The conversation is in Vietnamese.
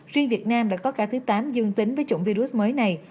riêng việt nam đã có ca thứ tám dương tính với chủng virus mới này